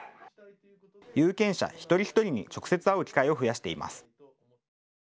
有権者一人一人に直接会う機会を増やしています。